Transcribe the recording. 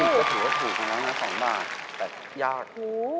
ก็ถือว่าถูกแล้วนะ๒บาทแต่ยาก